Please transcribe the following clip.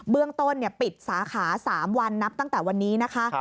เรื่องต้นปิดสาขา๓วันนับตั้งแต่วันนี้นะคะ